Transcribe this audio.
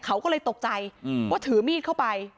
เขาก็เลยตกใจว่าถือมีดเข้าไป